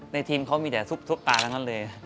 ทีมเขามีแต่ซุปตาทั้งนั้นเลย